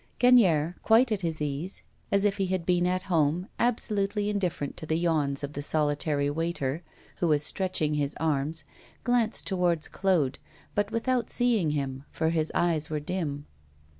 Gagnière, quite at his ease, as if he had been at home, absolutely indifferent to the yawns of the solitary waiter, who was stretching his arms, glanced towards Claude, but without seeing him, for his eyes were dim.